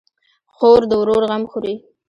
خور د ورور غم خوري.